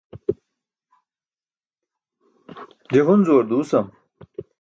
je Hunzu-ar duusam